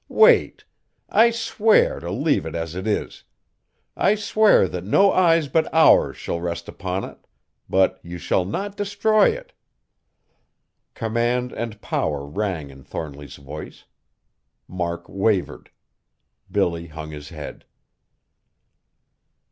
Wait! I swear to leave it as it is. I swear that no eyes but ours shall rest upon it; but you shall not destroy it!" Command and power rang in Thornly's voice. Mark wavered. Billy hung his head.